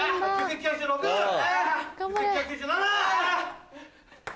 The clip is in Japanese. ９９９７！